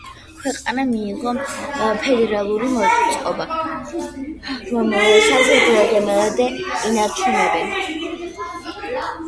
ქვეყანამ მიიღო ფედერალური მოწყობა, რომელსაც დღემდე ინარჩუნებს.